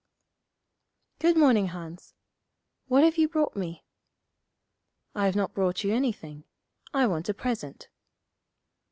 'Good morning, Hans. What have you brought me?' 'I've not brought you anything. I want a present.'